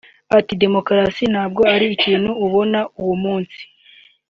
Ati “Demokarasi ntabwo ari ikintu ubona uwo munsi